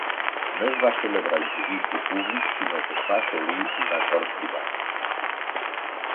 No es va celebrar el judici públic sinó que es va assolir un acord privat.